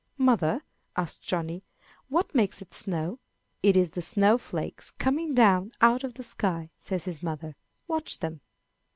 "Mother," asks Johnny, "what makes it snow?" "It is the snow flakes coming down out of the sky," says his mother. "Watch them!"